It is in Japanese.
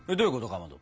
かまど。